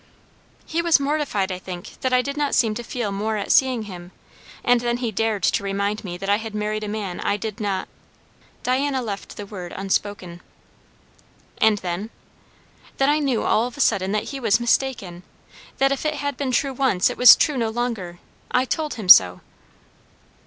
"He was mortified, I think, that I did not seem to feel more at seeing him; and then he dared to remind me that I had married a man I did not" Diana left the word unspoken. "And then?" "Then I knew all of a sudden that he was mistaken; that if it had been true once, it was true no longer. I told him so."